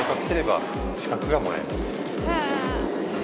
「へえ！」